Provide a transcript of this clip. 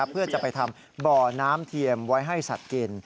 เพื่อจะไปทำบ่อน้ำเทียมไว้ให้สัตว์กิน